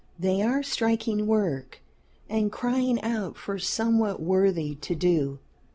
They are striking work and crying out for somewhat worthy to do.